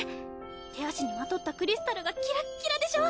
手足にまとったクリスタルがキラッキラでしょ？